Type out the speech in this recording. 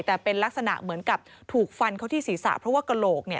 แต่เป็นลักษณะเหมือนกับถูกฟันเขาที่ศีรษะเพราะว่ากระโหลก